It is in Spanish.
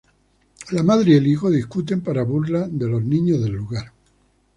La madre y el hijo discuten, para burla de los niños del lugar.